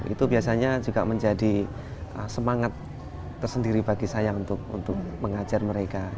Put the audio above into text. itu biasanya juga menjadi semangat tersendiri bagi saya untuk mengajar mereka